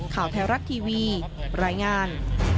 ข่าวไทยรัฐทีวีรายงาน